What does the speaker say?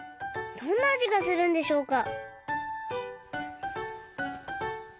どんなあじがするんでしょうか？